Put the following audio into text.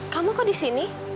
kamu kok disini